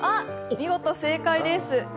見事正解です。